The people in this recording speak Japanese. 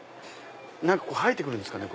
何か生えてくるんすかね。